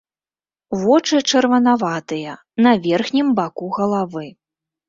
Вочы чырванаватыя, на верхнім баку галавы.